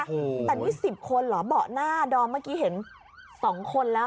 แต่นี่สิบคนเหรอเบาะหน้าดอมเมื่อกี้เห็นสองคนแล้ว